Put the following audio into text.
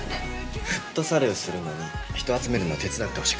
フットサルするのに人集めるの手伝ってほしくて。